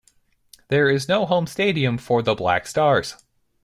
There is no home stadium for the Black Stars.